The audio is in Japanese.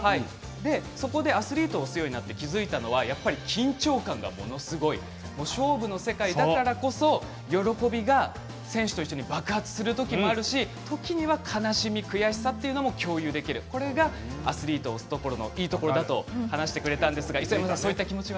そこでアスリートを推すようになって気付いたのは緊張感がものすごい勝負の世界だからこそ喜びが選手と一緒に爆発する時もあるし、時には悲しみ悔しさというのも共有できるこれがアスリートを推すいいところだと話してくれました。